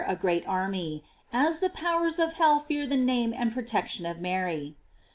a great army, as the powers of hell fear the name and protection of Mary.